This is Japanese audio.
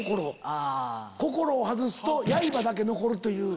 心を外すと「刃」だけ残る。